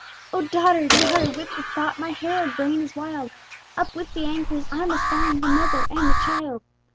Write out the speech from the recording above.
"O daughter! daughter! with the thought My harrowed brain is wild! Up with the anchors! I must find The mother and the child!"